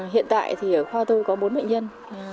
hiện tại thì khoa tôi có bốn bệnh nhân